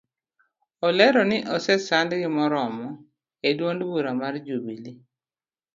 Olero ni ose sandgi moromo eduond bura mar jubilee